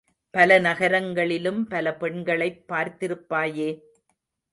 பல நகரங்களிலும் பல பெண்களைப் பார்த்திருப்பாயே?